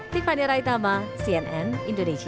tiffany raitama cnn indonesia